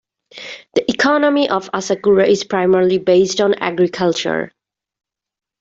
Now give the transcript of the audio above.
The economy of Asakura is primarily based on agriculture.